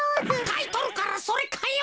タイトルからそれかよ！